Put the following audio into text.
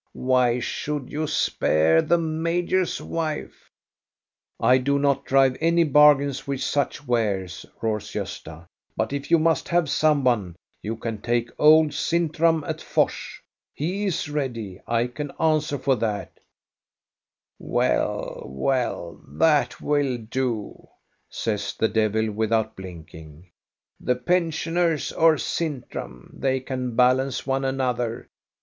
Why should you spare the major's wife? " "I do not drive any bargains with such wares," roars Gosta; "but if you must have someone, you can take old Sintram at Fors; he is ready, I can answer for that." ■i 48 THE STORY OF GOSTA BERUNG "Well, well, that will do," says the devil, with out blinking. " The pensioners or Sintram, they can balance one another.